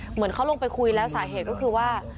เหมือนเขาลงไปคุยแล้วสาเหว่าว่า